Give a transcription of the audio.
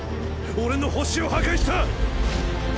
俺の星を破壊した！